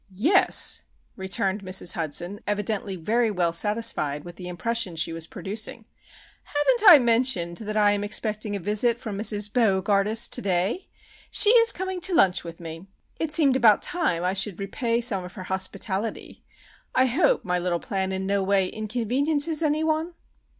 "Yes," returned Mrs. Hudson, evidently very well satisfied with the impression she was producing. "Haven't I mentioned that I am expecting a visit from Mrs. Bo gardus to day? She is coming to lunch with me. It seemed about time I should repay some of her hospitality. I hope my little plan in no way inconveniences any one?"